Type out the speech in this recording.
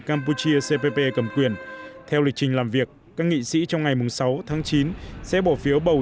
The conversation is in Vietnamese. campuchia cpp cầm quyền theo lịch trình làm việc các nghị sĩ trong ngày sáu tháng chín sẽ bỏ phiếu bầu